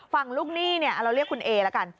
ฟังลูกหนี้เราเรียกคุณเอละกัน